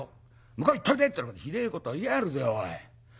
向こう行っといで』ってひでえこと言いやがるぜおい。